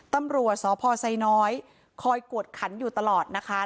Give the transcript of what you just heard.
ตำรวจสพไซน้อยคอยกวดขันอยู่ตลอดนะคะ